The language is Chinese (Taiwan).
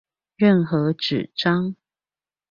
任何紙張